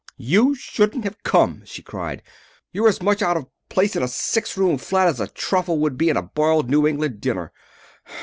"You shouldn't have come!" she cried. "You're as much out of place in a six room flat as a truffle would be in a boiled New England dinner.